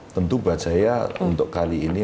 tentu buat saya untuk kali ini